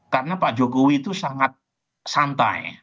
karena pak jokowi itu sangat santai